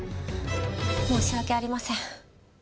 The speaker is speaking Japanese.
申し訳ありません。